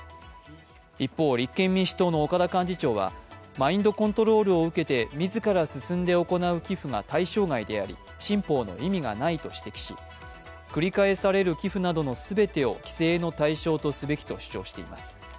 一方、立憲民主党の岡田幹事長はマインドコントロールを受けて自ら進んで行う寄付は対象外であり新法の意味がないと指摘し、繰り返される寄付などの全てを規制の対象とすべきと主張しています。